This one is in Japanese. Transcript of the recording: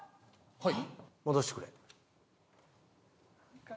はい。